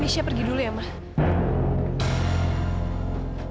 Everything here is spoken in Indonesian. misha pergi dulu ya man